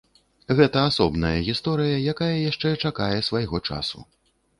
Гэта асобная гісторыя, якая яшчэ чакае свайго часу.